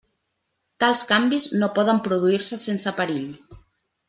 Tals canvis no poden produir-se sense perill.